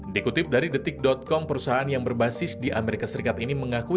dikutip dari detik com perusahaan yang berbasis di amerika serikat ini mengakui